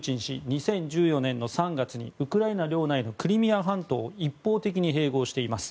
２０１４年の３月にウクライナ領内のクリミア半島を一方的に併合しています。